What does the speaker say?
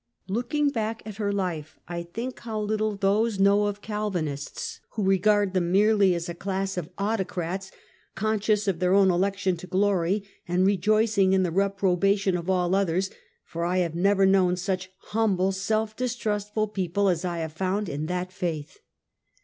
Looking back at her life, I think how little those Join Chuech. 35 know of Calvinists who regard tliem merely as a class of autocrats, conscious of their own election to glory, and rejoicing in the reprobation of all others; for I have never known such humble, self distrustful people as I have found in that faith.